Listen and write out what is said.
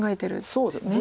そうですね。